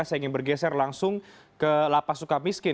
saya ingin bergeser langsung ke lapas sukamiskin